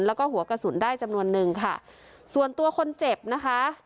แล้วก็หัวกระสุนได้จำนวนนึงค่ะส่วนตัวคนเจ็บนะคะ